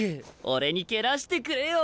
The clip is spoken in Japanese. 俺に蹴らしてくれよ！